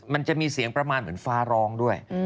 มันจะมีเสียงประมาณเหมือนฟ้าร้องด้วย